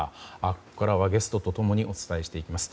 ここからはゲストと共にお伝えしていきます。